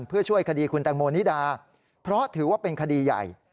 เพื่อช่วยคดีคุณแตงโมนิดาเพราะถือว่าเป็นคดีใหญ่